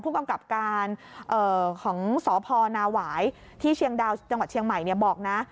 กำกับการของสพนาหวายที่เชียงดาวจังหวัดเชียงใหม่บอกนะ